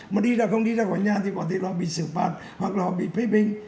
mà đi ra không đi ra khỏi nhà thì có thể là bị xử phạt hoặc là họ bị phê bình